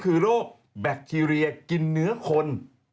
คือโรคแบคทีเรียกินเนื้อคน